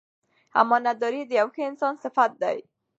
امانتداري د یو ښه انسان صفت دی.